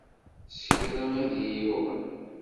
S kra i d iyi-yuɣen.